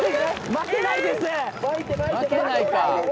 巻けないです！